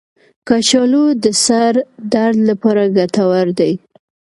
کچالو د سر درد لپاره ګټور دی.